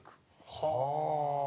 はあ。